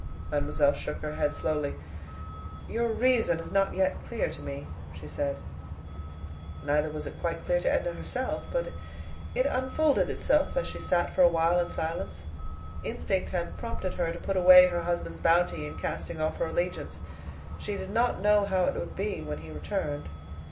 Mademoiselle shook her head slowly. "Your reason is not yet clear to me," she said. Neither was it quite clear to Edna herself; but it unfolded itself as she sat for a while in silence. Instinct had prompted her to put away her husband's bounty in casting off her allegiance. She did not know how it would be when he returned.